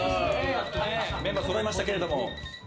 メンバーそろいましたけれども。